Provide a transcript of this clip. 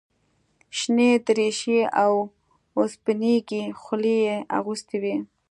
شنې دریشۍ او اوسپنیزې خولۍ یې اغوستې وې.